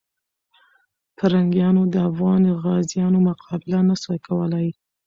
پرنګیانو د افغان غازیانو مقابله نه سوه کولای.